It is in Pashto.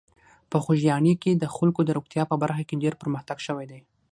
په خوږیاڼي کې د خلکو د روغتیا په برخه کې ډېر پرمختګ شوی دی.